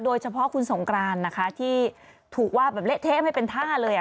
โดยเฉพาะคุณสงกรานนะคะที่ถูกว่าแบบเละเทะไม่เป็นท่าเลย